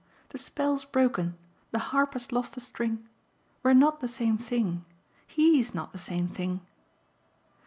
The spell's broken; the harp has lost a string. We're not the same thing. HE'S not the same thing."